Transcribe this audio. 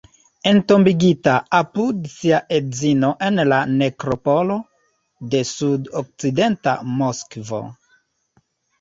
Entombigita apud sia edzino en la nekropolo de sud-okcidenta Moskvo.